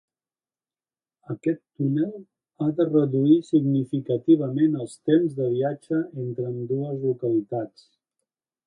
Aquest túnel ha de reduir significativament els temps de viatge entre ambdues localitats.